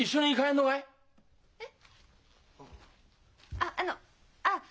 えっ？